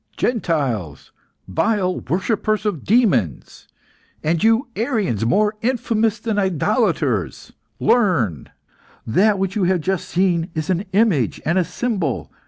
"Gentiles? vile worshippers of demons! And you Arians more infamous than the idolaters! learn! That which you have just seen is an image and a symbol.